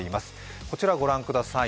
こちらご覧ください。